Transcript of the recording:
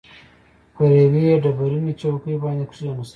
پر یوې ډبرینې چوکۍ باندې کښېناستو.